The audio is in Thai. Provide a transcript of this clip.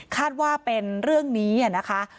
คาดว่าเป็นเรื่องนี้นะคะ